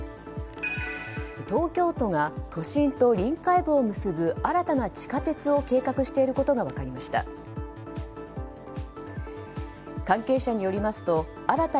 東京都が都心と臨海部を結ぶ新たな地下鉄を計画していることが分かりました。